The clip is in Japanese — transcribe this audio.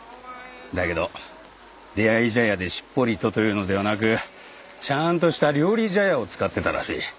だけど出会い茶屋でしっぽりとというのではなくちゃんとした料理茶屋を使ってたらしい。